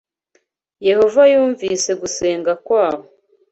Yehova yumvise gusenga kwabo